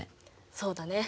そうだね。